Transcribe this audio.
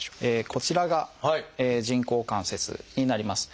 こちらが人工関節になります。